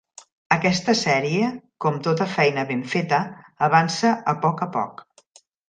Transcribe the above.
Aquesta sèrie, com tota feina ben feta, avança a poc a poc.